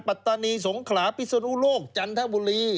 ปัตตานีสงขลาพิศนุโลกจันทบุรี